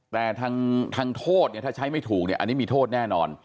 แต่ทางโทษเนี่ยถ้าใช้ไม่ถูกเนี่ยอันนี้มีโทษแน่นอน